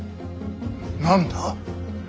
何だ。